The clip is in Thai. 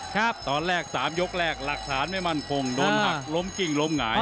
ครับตอนแรก๓ยกแรกหลักฐานไม่มั่นคงโดนหักล้มกิ้งล้มหงาย